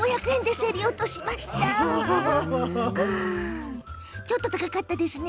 ちょっと高かったですね。